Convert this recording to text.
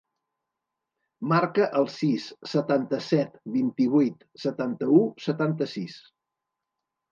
Marca el sis, setanta-set, vint-i-vuit, setanta-u, setanta-sis.